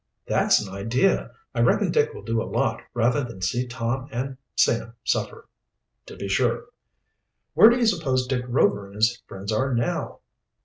"That's an idea. I reckon Dick will do a lot rather than see Tom and Sam suffer." "To be sure." "Where do you suppose Dick Rover and his friends are now?"